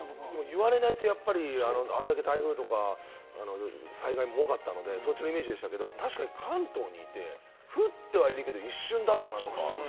言われないと、あれだけ台風とか災害も多かったので、そっちの認識でしたけれども、関東って降ってはいるけれども一瞬だったかなとか。